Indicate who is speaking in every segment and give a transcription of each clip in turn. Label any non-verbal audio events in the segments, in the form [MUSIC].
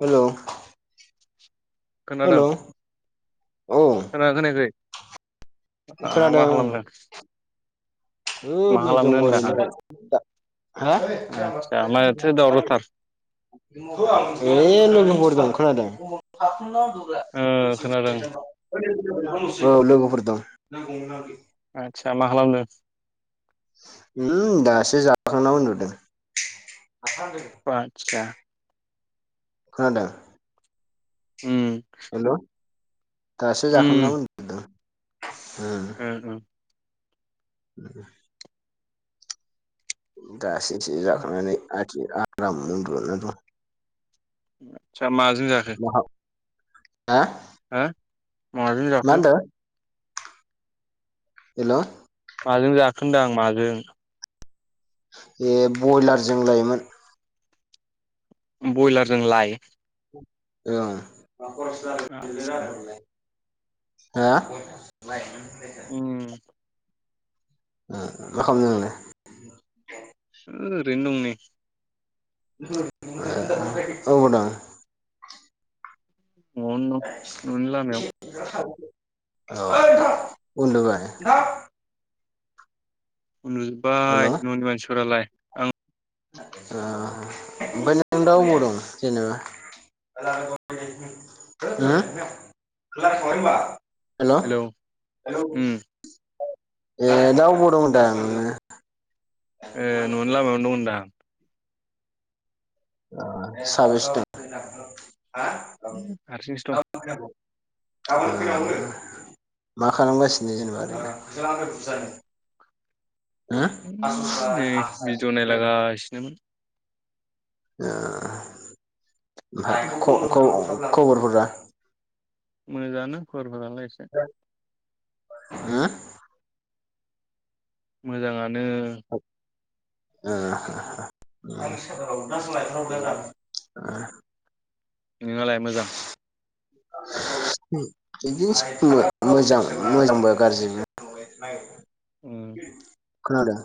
Speaker 1: हेल'
Speaker 2: खोनादों
Speaker 1: औ
Speaker 2: खोना खोनायाखै? आ मा
Speaker 1: खोनादों
Speaker 2: खालामदों?
Speaker 1: ओै
Speaker 2: मा
Speaker 1: नै दं
Speaker 2: खालामनो होनदां
Speaker 1: ओरैनो
Speaker 2: आं
Speaker 1: हा [UNINTELLIGIBLE]
Speaker 2: आदसा माथो दावरावथार
Speaker 1: ए लोगोफोर दं खोनादों
Speaker 2: ओ खोनादों
Speaker 1: [UNINTELLIGIBLE] औ लोगोफोर दं।
Speaker 2: आदसा मा खालामदों?
Speaker 1: उम दासो जाखांनां उनदुदों [UNINTELLIGIBLE]
Speaker 2: आतसा।
Speaker 1: खोनादों
Speaker 2: उम
Speaker 1: हेल' दासो
Speaker 2: उम
Speaker 1: जाखांना उनदुदों उम
Speaker 2: [UNINTELLIGIBLE]
Speaker 1: [INAUDIBLE] दासेैथि जाखांनानै आथि आराम उनदुना दं।
Speaker 2: आदसा माजों जाखो?
Speaker 1: [UNINTELLIGIBLE] हा
Speaker 2: हो माजों
Speaker 1: मा
Speaker 2: जाखो
Speaker 1: होनदो? हेल'
Speaker 2: माजों जाखांदां माजों?
Speaker 1: बे बयलारजों लायमोन
Speaker 2: बयलार जों लाय
Speaker 1: ओ
Speaker 2: आदसा
Speaker 1: [UNINTELLIGIBLE] हा
Speaker 2: उम
Speaker 1: मा खालामदों नोंलाय?
Speaker 2: ओरैनो दं नै
Speaker 1: [UNINTELLIGIBLE] औ आदा
Speaker 2: अन
Speaker 1: [UNINTELLIGIBLE] औ उन्दबाय ओमफ्राय
Speaker 2: उनदुजोब्बाय न'नि मानसिफोरालाय आं
Speaker 1: ओ ओमफ्राय नों दा अबाव दं जेनेबा? [UNINTELLIGIBLE]
Speaker 2: हेलौ
Speaker 1: हेल' ए
Speaker 2: उम
Speaker 1: दा अबाव बङ' होनदां नोङो
Speaker 2: ए न'नो लामायावनो दं होनदां।
Speaker 1: आ साबसे दं
Speaker 2: हारसिंसो दं
Speaker 1: [UNINTELLIGIBLE] [UNINTELLIGIBLE] मा खालामगासिनो जेनेबा ओरैनो हो
Speaker 2: गासिनोमोन
Speaker 1: ओ ओमफ्राय खबर खबर खबरफोरा
Speaker 2: मोजाङानो खरफोरालाय एसे
Speaker 1: होम
Speaker 2: मोजाङानो
Speaker 1: [UNINTELLIGIBLE]
Speaker 2: नोंङालाय मोजां
Speaker 1: बिदिनोसै मोजां मोजांबो गाज्रिबो
Speaker 2: उम
Speaker 1: खोनादों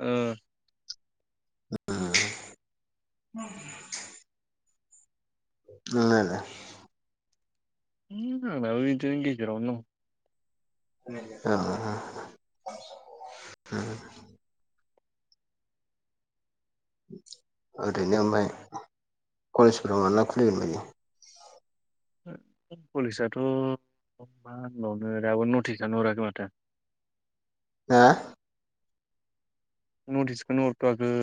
Speaker 2: उम
Speaker 1: उम नोंनालाय
Speaker 2: है आंनाबो बिदिनो गेजेरावनो दं
Speaker 1: अ ओरैनो ओमफ्राय कलेजफोराव माब्ला खुलिगोन बायदि
Speaker 2: कलेजाथ' मा होनबावनो दाबो नटिसानो हराखै माथो
Speaker 1: हा
Speaker 2: नटिसखौनो हरथ'वाखै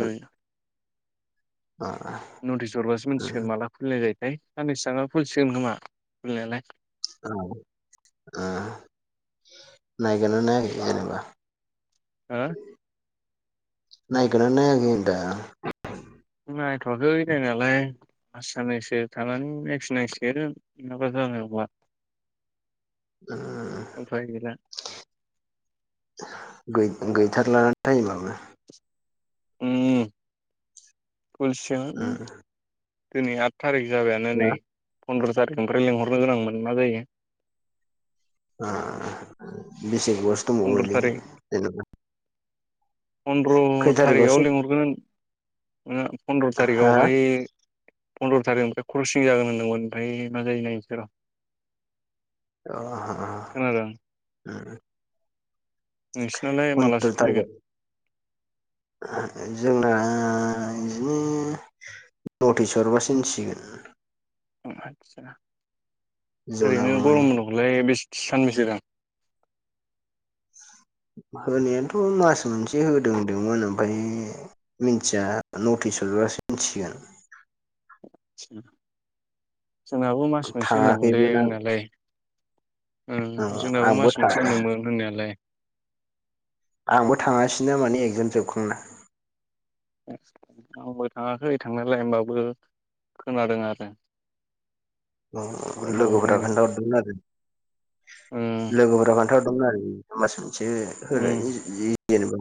Speaker 1: अ
Speaker 2: नटिस हरबासो
Speaker 1: उम
Speaker 2: मोनथिसिगोन माला खुलिनाय जायोथाय साननैसो थांना खुलिसिगोन खोमा खुलिनायालाय
Speaker 1: औ ओ नायगोना नायाखै जेनेबा
Speaker 2: हो
Speaker 1: नायगोना नायाखै होनदां
Speaker 2: नायथ'वाखै नायनायालाय साननैसो थानानै नायफिननांसिगोनानो नङाबा जानाय नंला
Speaker 1: उम
Speaker 2: उफाय गैला
Speaker 1: गै-गैथारला टाइमाबो
Speaker 2: उम [UNINTELLIGIBLE] दिनै आट थारिख जाबायानो नै
Speaker 1: ना ओ
Speaker 2: फन्द्र' थारिकनिफ्राय लिंहरनो गोनांमोन मा जायो
Speaker 1: बिसे [UNINTELLIGIBLE]
Speaker 2: फन्द्र'
Speaker 1: मने
Speaker 2: थारिख
Speaker 1: जेनेबा
Speaker 2: फन्द्र'
Speaker 1: खै
Speaker 2: थारिखआव
Speaker 1: थारिखआवसो
Speaker 2: लिंहरगोन। फन्द्र'
Speaker 1: हा
Speaker 2: थारिखावहाय पन्द्र' थारिखनिफ्राय क्रसिं जागोन होनदोंमोन ओमफ्राय मा जायो नायनोसै र' खोनादों
Speaker 1: अ
Speaker 2: नोंसिनालाय मालासो
Speaker 1: फन्द्र'
Speaker 2: खुलिगोन
Speaker 1: जोंना बिदिनो नटिस हरबासो मिथिसिगोन
Speaker 2: आदसा ओरैनो
Speaker 1: जोंनाबो माने
Speaker 2: गरम बनद'खौलाय बेसे सानबेसे होदों
Speaker 1: होनायानथ' मास मोनसे होदों होनदोंमोन ओमफ्रायो मिनथिया नटिस हरोबासो मिथिसिगोन
Speaker 2: जोंनाबो मास मोनसे होनदोंमोनलै
Speaker 1: थाङाखैमोन आं
Speaker 2: होननायालाय
Speaker 1: औ
Speaker 2: जोंनाबो
Speaker 1: आंबो
Speaker 2: मास मोनसे होनदोंमोन होननायालाय
Speaker 1: आंबो थाङासिैना माने एगजाम जोबखांना
Speaker 2: आंबो थाङाखै थांनायलाय होमबाबो खोनादों आरो। ग्रुपाव
Speaker 1: लोगोफोरा
Speaker 2: हरनायनियाव
Speaker 1: खोन्थाहरदोंमोन आरो
Speaker 2: उम
Speaker 1: लोगोफोरा खोनथाहरदोंमोन। आरो मास मोनसे
Speaker 2: उम
Speaker 1: होनायनि जि जेनेबा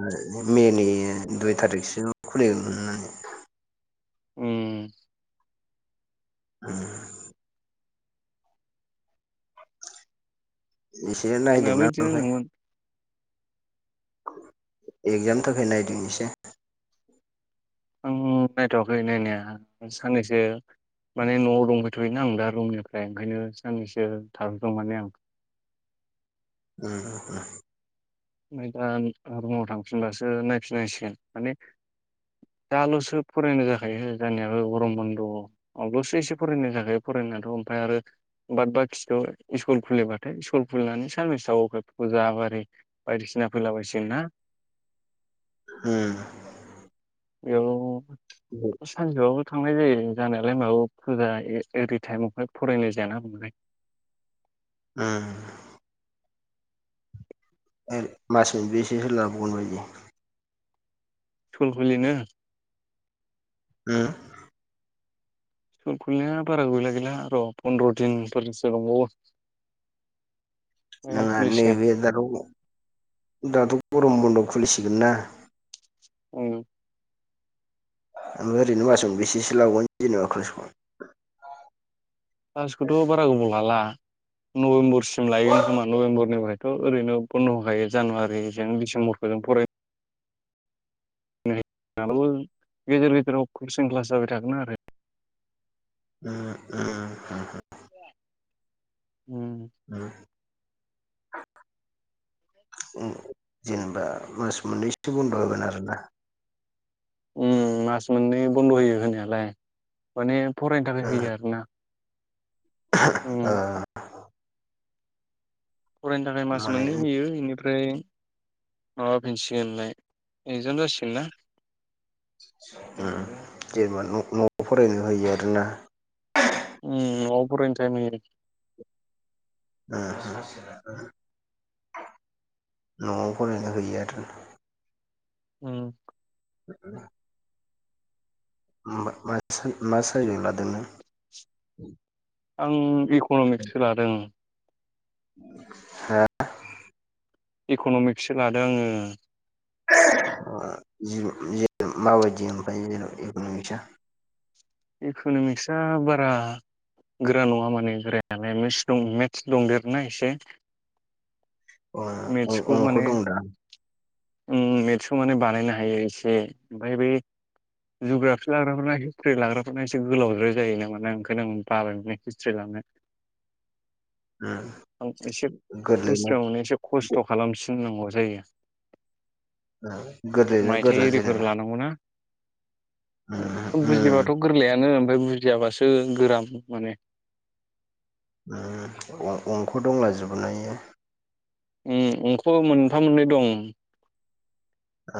Speaker 1: मेनि दुइ थारिखसो खुलिग
Speaker 2: उम
Speaker 1: [UNINTELLIGIBLE] इसोरो
Speaker 2: जोंनाबो
Speaker 1: नायदोंना
Speaker 2: बिदिनो
Speaker 1: ओमफ्राय
Speaker 2: होनदोंमोन
Speaker 1: एक्जामनि थाखाय नायदों एसे
Speaker 2: आं नायथ'वाखै नायनाया साननैसो माने न'आव दंफैथ'योना आं दा रुमनिफ्राय ओंखायनो साननैसो थाहैदों माने आं
Speaker 1: [INAUDIBLE]
Speaker 2: ओमफ्राय दा रुमाव थांफिनबासो नायफिननांसिगोन। माने दाल'सो फरायनाय जाखायो जोंनियाबो गरम बनद अब्लासो एसे फरायनाय जाखायो फरायनायाथ' ओमफ्राय आरो बाद बाखिथ' सस्कुल खुलिबाथाय स्कुल खुलिनानै सारनिस अफायफोरखौ जाब आरोै बायदिसिना फैला बसिग ना
Speaker 1: उम
Speaker 2: बेयाव सानजौआवबो थांनाय जायो जानायालाय माबा फुजा ओरै टाइमावहाय फरायनाय जायाना बुंलाय
Speaker 1: ओ ओरै मास मोनबोसेो सलाबावगोन बायदि [UNINTELLIGIBLE]
Speaker 2: थुल खुलिनो [UNINTELLIGIBLE]
Speaker 1: ओ
Speaker 2: सट खुलिनाया बारा गैला गैला र' फन्द्र' दिनफोरसो दंबावो ओमफ्राय
Speaker 1: नङा
Speaker 2: खुलिसिगोन
Speaker 1: नैबे दाथ' दाथ' गरम बन्द खुलिसिगोन ना
Speaker 2: औ
Speaker 1: ओफ्राय ओरैनो मासावनो बेसेसो लाावगोन जेनेबा क्लासखौ
Speaker 2: लास्खौथ' बारा गोबाव लाला नभेम्बरसिम लायगोन खोमा नभेम्बरनिफ्रायथ' ओरैनो बन्द'खायो जानुवारिजों डिसेम्बरखौ जों फराय ो गेजेर गदेराव कचं क्लास जाबाय थागोन आरो।
Speaker 1: [INAUDIBLE]
Speaker 2: उम
Speaker 1: जेनेबा मास मोननैसो बन्द' होगोन आरोना।
Speaker 2: मास मोननै बन्द' होयो होनायालाय माने फरायनो थाखाय
Speaker 1: ओ
Speaker 2: होयो आर ना
Speaker 1: ओ
Speaker 2: फरायनो थाखाय मास मोननै
Speaker 1: माने
Speaker 2: होयो। बेनिफ्राय माबाफिनसिगोनलाय एकजाम जासिगोन नना।
Speaker 1: जेनेबा न'आव फरायनो होयो आर ना।
Speaker 2: उ न'आव फरायनो टाइम होयो।
Speaker 1: न'आव फरायनो हैयो आरो
Speaker 2: ओ
Speaker 1: [INAUDIBLE] मा साइजजों लादों नों [UNINTELLIGIBLE]
Speaker 2: आं इक'न'मिक्सो लादों।
Speaker 1: हो
Speaker 2: इकन'मिक्सो लादों आङो
Speaker 1: [UNINTELLIGIBLE] माबादि ओमफ्राय जेन इकन'मिस आ [UNINTELLIGIBLE]
Speaker 2: इक'न'मिक्सा बारा गोरा नङा माने गोरायालाय मिक्स मिक्स दंदेरो ना एसे
Speaker 1: अ अंख' दं दा
Speaker 2: उ मेस्टखौ माने बानायनो हायो एसे ओमफ्राय बे जुग्राफि लाग्राफना हिस्ट्रि लाग्राफोरना एसे गोलावद्राय जायो न माना ओंखायनो आं बाबायमोन हुस्रिलानो आं एसे
Speaker 1: गोरलै ना
Speaker 2: हिस्रि मोनो एसे खस्थ' खालामफिननांगौ जायो
Speaker 1: गोद [UNINTELLIGIBLE]
Speaker 2: मायथाइ आररिफोर लानांगौ ना बुजिबाथ' गोरलैयानो ओमफ्राय बुजियाबासो गोराम मोनो माने
Speaker 1: अंख' दंलाजोबो ना बेयो
Speaker 2: उम अंख' मोनफा मोननै दं।
Speaker 1: ओ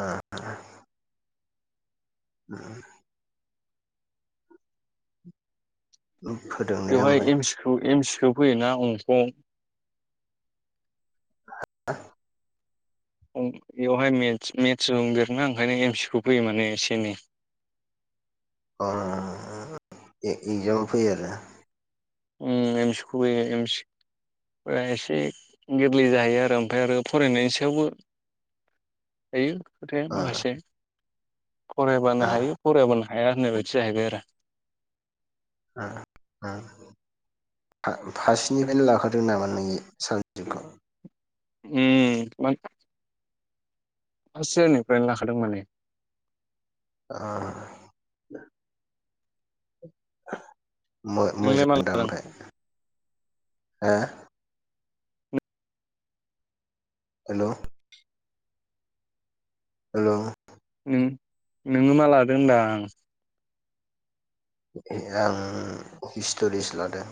Speaker 1: उम उ खोदों
Speaker 2: बेवहाय एम सिखौ फैयोना अंख'
Speaker 1: [UNINTELLIGIBLE]
Speaker 2: ओ बेवहाय मेस्ट दंदेरोना ओंखायनो एम सि खौ फैयो माने एसे एनै
Speaker 1: अ इगजामाव फैयो आरो
Speaker 2: उम एमसखे एमस एसे गोरलै जाहैयो आरो ओमफ्राय आरो फरायनायनि सायावबो दायो खोथाया माखासे फरायबानो हायो फरायबानो हाया होननाय बायदि जाहैबाय आरो
Speaker 1: [UNINTELLIGIBLE] फारसेनिफ्रायनो लाखादों नामा नों सा [UNINTELLIGIBLE]
Speaker 2: उम [UNINTELLIGIBLE] फार्स इयारनिफ्रायनो लाखादों माने
Speaker 1: ओ
Speaker 2: नोंलाय मा
Speaker 1: मोमोजां दा
Speaker 2: लादों
Speaker 1: ओमफ्राय हो हेल' हेल'
Speaker 2: नों नोङो मा लादों होनदां?
Speaker 1: आं हिस्ट'रिस लादों।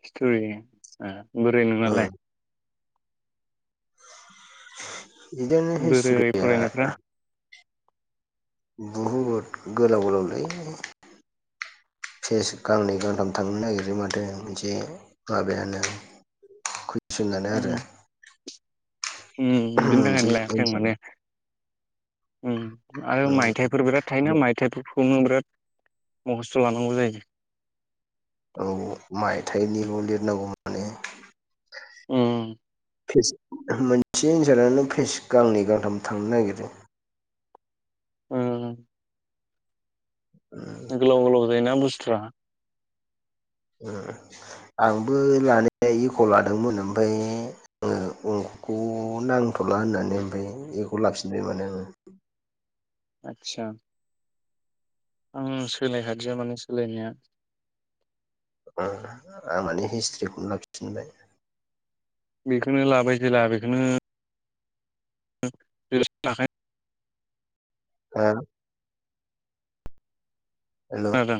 Speaker 2: हिसट'रि बोरै नोंनालाय?
Speaker 1: बिदिनो
Speaker 2: बोरै
Speaker 1: हिस्टरिया
Speaker 2: फरायनायफ्रा
Speaker 1: बुहुद गोलाव गोलावलै फेस गांनै गांथाम थांनो नागिरो माथो मोनसे माबायानो
Speaker 2: [INAUDIBLE]
Speaker 1: फिसिननानै
Speaker 2: उम
Speaker 1: आरो
Speaker 2: उम बिदिनो थाखाय
Speaker 1: मोनसे
Speaker 2: नो लायाखै आं
Speaker 1: एन्सार।
Speaker 2: माने उम आरो मायथाइफोर बिराद थायोना मायथाइ खौनो बिराद मखस्थ' लानांगौ जायो
Speaker 1: औ मायथाइनिल' लिरनांगौ माने
Speaker 2: उम
Speaker 1: मोनसे एनसारानोे पेज गांनै गांथाम थांनो नागिरो
Speaker 2: उम
Speaker 1: उम
Speaker 2: गोलाव गोलाव जायोना बुस्थुआ
Speaker 1: उम आंबो लानाया इक' लादोंमोन ओमफ्राय आङो खौ नांथ'ला होननानै ओमफ्राय एखौ लाफिनबाय माने आङो
Speaker 2: आदसा आं सोलायखादो माने सोलायनाया
Speaker 1: ओं आं मे हिस्ट्रिखौनो लाफिनबाय
Speaker 2: बेखोनो लाबाय जेला बेखोनो [UNINTELLIGIBLE]
Speaker 1: ओ हेल'
Speaker 2: खोनादों,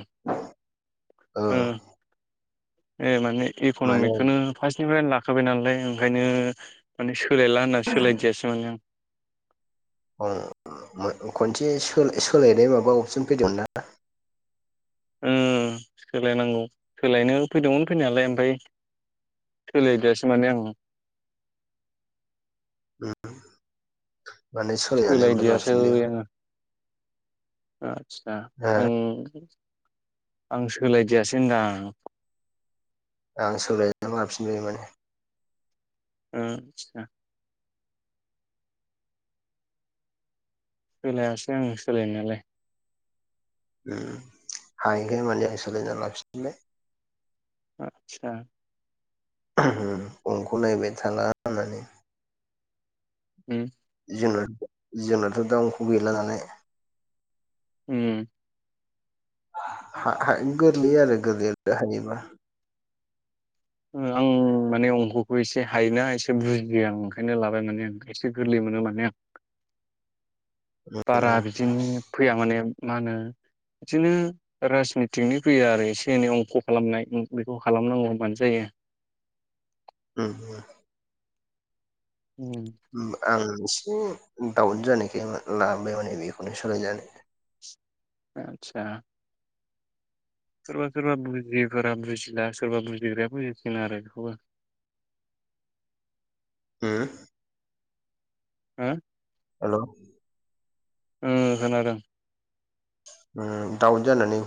Speaker 1: औ
Speaker 2: ओ ए माने
Speaker 1: माने
Speaker 2: इक'न'मिकखोनो फार्स्टनिफ्रायनो लाखाबाय नालाय ओंखायनो माने सोलायला होनना सोलायदियासै माने आं।
Speaker 1: खनसे सोलायनाय माबा अपसन फैदोंमोन ना?
Speaker 2: उम सोलायनांगौ सोलायनो फैदोंमोन फैनायालाय ओमफ्राय सोलाय दियासै माने आं
Speaker 1: [UNINTELLIGIBLE] माने सोलायनानै ओमफ्राय
Speaker 2: सोलायदियासै
Speaker 1: लाफिननो
Speaker 2: आङो आदसा आं आं सोलायदियासै होनदो आं
Speaker 1: आं सोलायना लाफिनबाय माने
Speaker 2: ओ [UNINTELLIGIBLE] सोलायासै आं सोलायनायालाय।
Speaker 1: ओ हायैखाय माने आं सोलायना लाफिनबाय।
Speaker 2: आतसा।
Speaker 1: ओहो अंख नायबाय थाला होननानै।
Speaker 2: ओम
Speaker 1: जोंना जोंनाथ' दा अंख' गैला नालाय।
Speaker 2: उम
Speaker 1: हा-हा गोरलै आरो गोरलै आरो दा हायोबा।
Speaker 2: आं माने अंखखौ एसे हायोना एसे बुजियो आं ओंखायनो लाबाय माने आं एसे गोरलै मोनो माने आं। बारा बिदिनो फैया माने मा होनो बिदिनो राजनिथिकनि फैयो आरो एसे एनै अंख' खालामनाय बेखौ खालामनांगौ होनबानो जायो।
Speaker 1: उम उम
Speaker 2: उम
Speaker 1: आं एसे दाउट जानायखाय लाबाय माने बेखौनो सोलायनानै।
Speaker 2: आतसा। सोरबा सोरबा बुजियिफोरा बुजिला सोरबा बुजिग्राया बुजिसिगोन आरो बेखौबो।
Speaker 1: होम?
Speaker 2: हो?
Speaker 1: हेल'
Speaker 2: ओं खोनादों।
Speaker 1: उम दाउट जानानै।